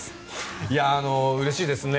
うれしいですね。